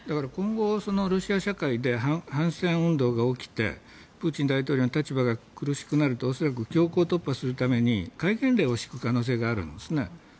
今後、ロシア社会で反戦運動が起きてプーチン大統領の立場が苦しくなると恐らく強行突破するために戒厳令を敷く可能性があるんですね。